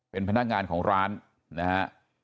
เป็นพนักงานของร้านนะฮะ